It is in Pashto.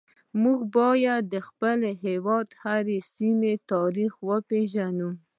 موږ باید د خپل هیواد د هرې سیمې تاریخ وپیژنو